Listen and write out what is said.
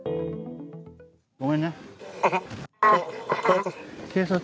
ごめんね。